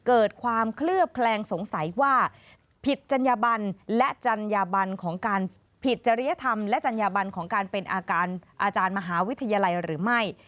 เกิดความเคลือบแคลงสงสัยว่าผิดจริยธรรมและจริยธรรมของการเป็นอาการอาจารย์มหาวิทยาลัยหรือไม่